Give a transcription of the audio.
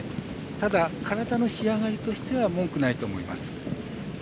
ただ、体の仕上がりとしては文句ないと思います。